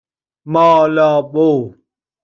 مالابو